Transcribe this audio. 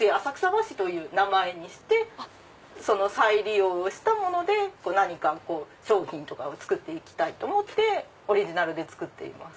和紙という名前にして再利用したもので商品を作って行きたいと思ってオリジナルで作っています。